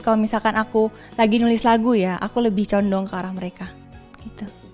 kalau misalkan aku lagi nulis lagu ya aku lebih condong ke arah mereka gitu